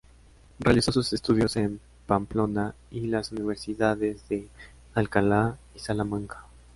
Realizó sus estudios en Pamplona y las universidades de Alcalá y Salamanca.